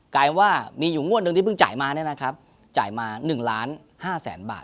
ลายว่ามีอยู่งวดหนึ่งที่เพิ่งจ่ายมาเนี่ยนะครับจ่ายมา๑ล้าน๕แสนบาท